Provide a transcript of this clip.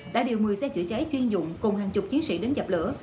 đã điều một mươi xe chữa cháy chuyên dụng cùng hàng chục chiến sĩ đến dập lửa